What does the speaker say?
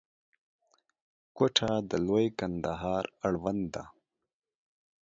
کوټه د لوی کندهار اړوند ده.